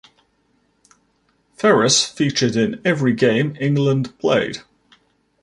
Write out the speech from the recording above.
Ferres featured in every game England played.